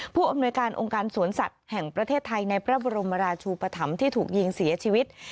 ผู้อำนวยการองค์การสวนสัตว์แห่งประเทศไทยในพระบรมราชูปธรรมที่ถูกยิงเสียชีวิต